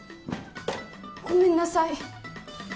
ごめんなさい